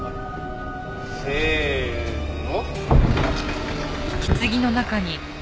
せーの。